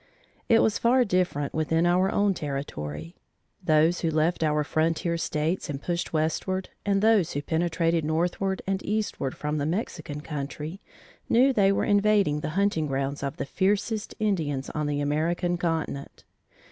It was far different within our own territory. Those who left our frontier States and pushed westward, and those who penetrated northward and eastward from the Mexican country, knew they were invading the hunting grounds of the fiercest Indians on the American continent.